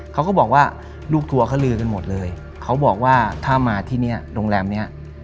เขาก็บอกว่าลูกทัวร์เขาลือกันหมดเลยเขาบอกว่าถ้ามาที่เนี่ยโรงแรมเนี้ย